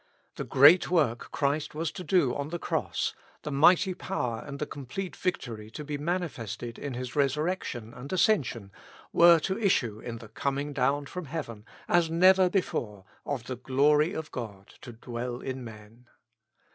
The great work Christ was to do on the cross, the mighty power and the complete vic tory to be manifested in His resurrection and ascen sion, were to issue in the coming down from heaven, as never before, of the glory of God to dwell in men.